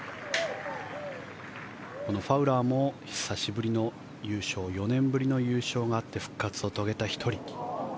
このファウラーも久しぶりの優勝４年ぶりの優勝があって復活を遂げた１人。